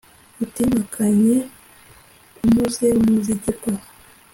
uti: mpakanye umuze muzigirwa